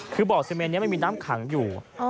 คือบ่อซีเมนนี้ไม่มีน้ำขังอยู่